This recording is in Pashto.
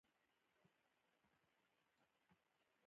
زموږ خاوره کابو دوه نیمې پېړۍ له تدریجي ودې لرې ساتل شوې وه.